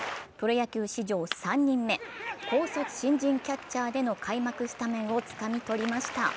プロ野球史上３人目高卒新人キャッチャーでの開幕スタメンをつかみ取りました。